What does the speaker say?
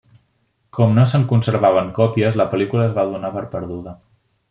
Com no se’n conservaven còpies, la pel·lícula es va donar per perduda.